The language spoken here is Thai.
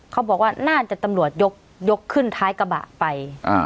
เขาบอกว่าน่าจะตำรวจยกขึ้นท้ายกระบะไป